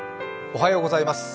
おはようございます。